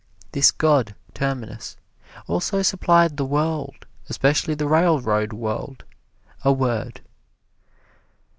This god Terminus also supplied the world, especially the railroad world, a word.